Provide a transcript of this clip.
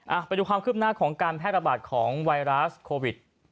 อ่าไปดูความคลึ่มหน้าของการแพทย์ระบาดของวายราชโควิด